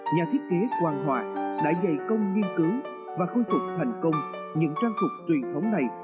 nhà thiết kế quang hòa đã dày công nghiên cứu và khôi phục thành công những trang phục truyền thống này